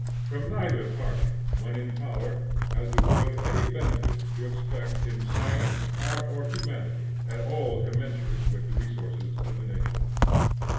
From neither party, when in power, has the world any benefit to expect in science, art, or humanity, at all commensurate with the resources of the nation.